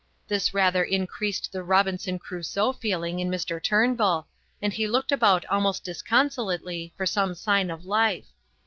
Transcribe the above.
This rather increased the Robinson Crusoe feeling in Mr. Turnbull, and he looked about almost disconsolately for some sign of life.